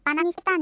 ん？